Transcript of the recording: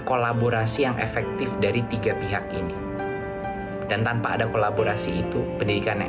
kolaborasi yang efektif dari tiga pihak ini dan tanpa ada kolaborasi itu pendidikannya